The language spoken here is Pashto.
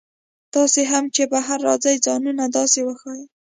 تاسي هم چې بهر راځئ ځانونه داسې وښایئ.